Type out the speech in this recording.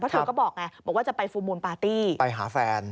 เธอก็บอกไงบอกว่าจะไปฟูลมูลปาร์ตี้ไปหาแฟน